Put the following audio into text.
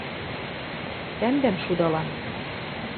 Тӓмдӓм шудалам...